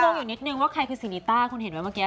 งอยู่นิดนึงว่าใครคือซีนิต้าคุณเห็นไหมเมื่อกี้